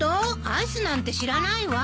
アイスなんて知らないわ。